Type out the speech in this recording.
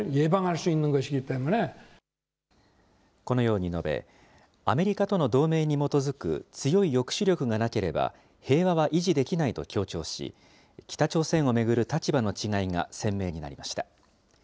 このように述べ、アメリカとの同盟に基づく強い抑止力がなければ、平和は維持できないと強調し、北朝鮮を巡る立場の違いが鮮明になりました。